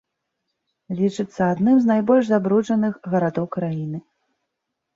Лічыцца адным з найбольш забруджаных гарадоў краіны.